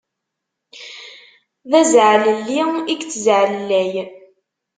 D azaɛlelli i yettzaɛlellay.